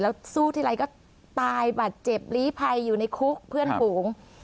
แล้วสู้ทีไรก็ตายบาดเจ็บลีภัยอยู่ในคุกเพื่อนฝูง